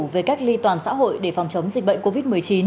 về cách ly toàn xã hội để phòng chống dịch bệnh covid một mươi chín